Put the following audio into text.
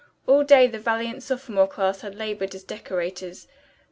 All day the valiant sophomore class had labored as decorators.